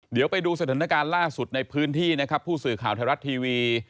เดี๋ยวไปดูสถานการณ์ล่าสุดในพื้นที่นะครับผู้สื่อข่าวไทยรัฐทีวี